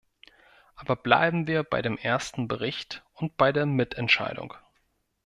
Aber bleiben wir bei dem ersten Bericht und bei der Mitentscheidung.